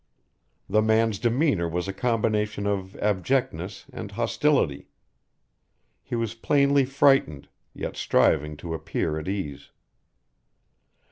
The man's demeanor was a combination of abjectness and hostility. He was plainly frightened, yet striving to appear at ease.